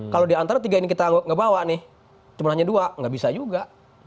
kalau diantara tiga ini kita nggak bawa nih cuma hanya dua nggak bisa juga